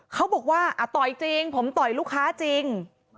เขาบอกว่าต่อยจริง